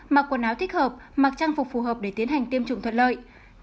mặc quần áo thích hợp mặc trang phục phù hợp để tiến hành tiêm chủng thuận lợi